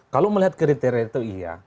kalau melihat kriteria itu iya